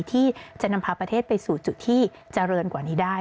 ที่จะนำพาประเทศไปสู่จุดที่เจริญกว่านี้ได้